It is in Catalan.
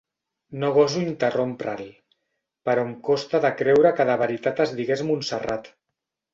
No goso interrompre'l, però em costa de creure que de veritat es digués Montserrat.